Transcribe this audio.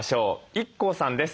ＩＫＫＯさんです。